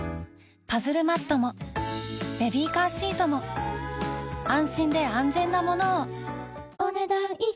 パズルマットもベビーカーシートも安心で安全なものをお、ねだん以上。